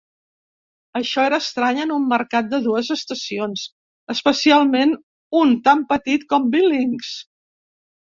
Això era estrany en un mercat de dues estacions, especialment un tant petit com Billings.